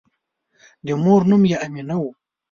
د مور نوم یې آمنه وه.